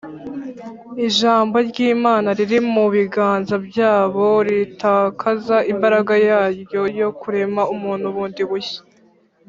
ijambo ry’imana riri mu biganza byabo ritakaza imbaraga yaryo yo kurema umuntu bundi bushya